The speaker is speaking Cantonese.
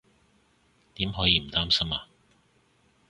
點可以唔擔心啊